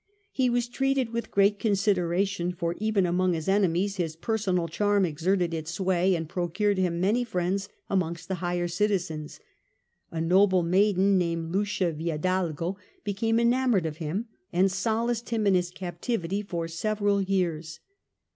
He was treated with great consideration, for even among his enemies his personal charm exerted its sway and procured him many friends amongst the higher citizens. A noble maiden named Lucia Viadalgo became enamoured of him and solaced him in his captivity for several years.